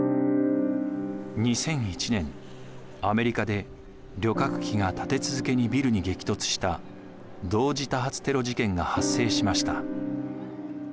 ２００１年アメリカで旅客機が立て続けにビルに激突した同時多発テロ事件が発生しました。